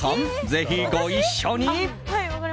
ぜひご一緒に。